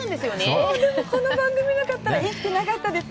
でも、この番組がなかったら生きてなかったです。